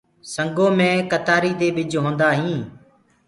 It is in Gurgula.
سنگو دي ڪتآري مي ڀج هوندآ هينٚ۔